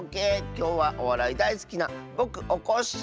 きょうはおわらいだいすきなぼくおこっしぃ